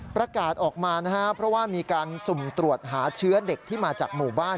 ประกาศออกมานะครับเพราะว่ามีการสุ่มตรวจหาเชื้อเด็กที่มาจากหมู่บ้าน